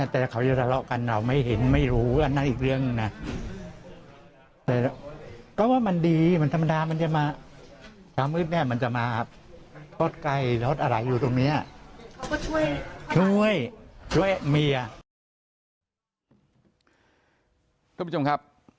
คุณผู้ชมครับ